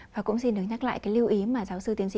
và cũng xin được nhắc lại cái lưu ý mà giáo sư tiến sĩ